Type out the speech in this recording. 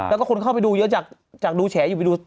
แล้วก็คนเข้าไปดูเยอะจากดูแฉอยู่ไปดู